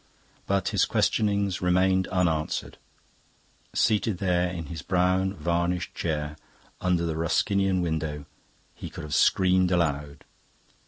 But his questionings remained unanswered. Seated there in his brown varnished chair under the Ruskinian window, he could have screamed aloud.